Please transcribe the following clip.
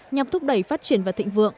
nhằm thúc đẩy phát triển và thịnh vượng